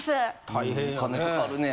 大変やね。